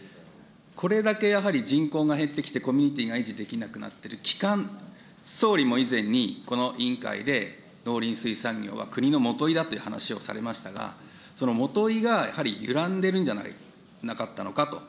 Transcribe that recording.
これだけやはり人口が減ってきて、コミュニティーが維持できなくなってる基幹、総理も以前にこの委員会で農林水産業は国の基だという話をされましたが、その基がやはり揺らいでいるんじゃなかったのかと。